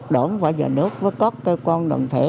đổ vào nhà nước với có cơ quan đồng thể